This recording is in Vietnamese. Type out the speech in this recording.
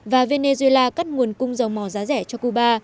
và venezuela cắt nguồn cung dầu mò giá rẻ cho cuba